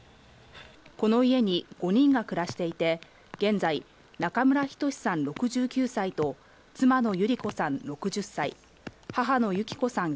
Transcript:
この家に５人が暮らしていて、現在、中村均さん６９歳と、妻の由利子さん６０歳、母の幸子さん